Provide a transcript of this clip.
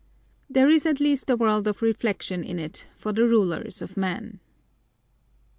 There is at least a world of reflection in it for the rulers of men.